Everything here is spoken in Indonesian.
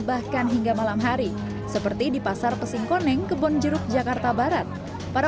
bahkan hingga malam hari seperti di pasar pesinkoneng kebon jeruk jakarta barat para